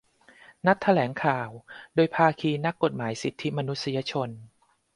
นัดหมายแถลงข่าว โดยภาคีนักกฎหมายสิทธิมนุษยชน